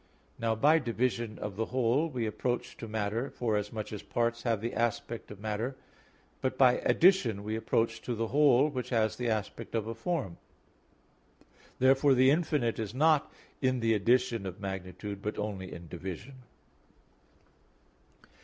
Now by division of the whole we approach to matter, forasmuch as parts have the aspect of matter; but by addition we approach to the whole which has the aspect of a form. Therefore the infinite is not in the addition of magnitude, but only in division.